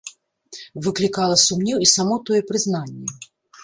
Выклікала сумнеў і само тое прызнанне.